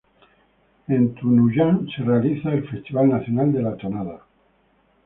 En Tunuyán se realiza el Festival Nacional de la Tonada.